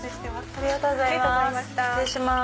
ありがとうございます。